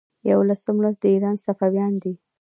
یوولسم لوست د ایران صفویان دي.